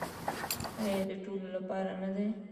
آیا د ټولو لپاره نه دی؟